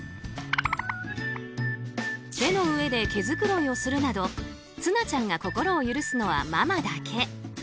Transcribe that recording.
手の上で毛づくろいをするなどつなちゃんが心を許すのはママだけ。